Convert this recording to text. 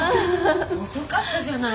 遅かったじゃない。